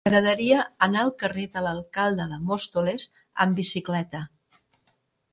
M'agradaria anar al carrer de l'Alcalde de Móstoles amb bicicleta.